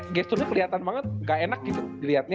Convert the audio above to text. iya gesturnya peliatan banget ga enak gitu giliatnya